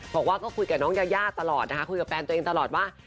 บอกว่าก็คุยกับน้องยายาตลอดนะคะคุยกับแฟนตัวเองตลอดว่า